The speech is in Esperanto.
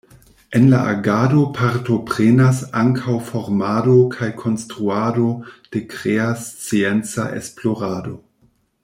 En la agado partoprenas ankaŭ formado kaj konstruado de krea scienca esplorado.